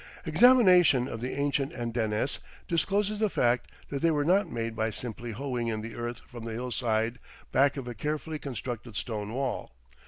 Examination of the ancient andenes discloses the fact that they were not made by simply hoeing in the earth from the hillside back of a carefully constructed stone wall.